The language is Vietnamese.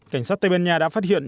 cảnh sát tây ban nha đã phát hiện